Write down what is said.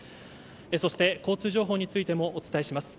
そして、交通情報についてもお伝えします。